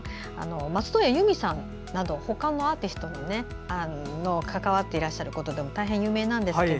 松任谷由実さんなどほかのアーティストとも関わっていらっしゃることでも大変、有名なんですけど。